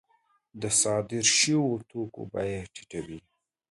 د صادر شویو توکو بیه یې ټیټه وي